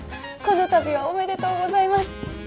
この度はおめでとうございます。